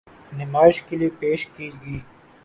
نمائش کے لیے پیش کی گئی۔